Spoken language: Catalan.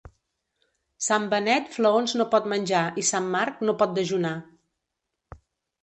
Sant Benet flaons no pot menjar i Sant Marc no pot dejunar.